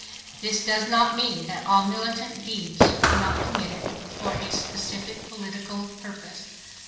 This does not mean that all militant deeds were not committed for a specific political purpose.